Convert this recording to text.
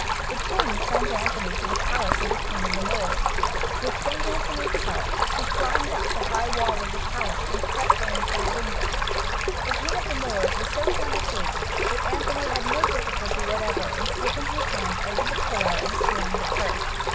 The king sent Anthony to the palace of the king of the Moors. With St. Anthony's help he climbed up the high wall of the palace and crept in through a window. The king of the Moors was so sound asleep that Anthony had no difficulty whatever in slipping his hand under the pillow and stealing the purse.